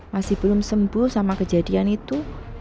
masih belum sembuh sama kejadian itu